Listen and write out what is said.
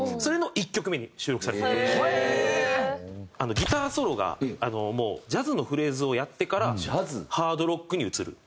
ギターソロがもうジャズのフレーズをやってからハードロックに移る。